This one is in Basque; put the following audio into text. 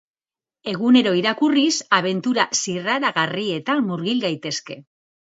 Egunero irakurriz abentura zirraragarrietan murgil gaitezke.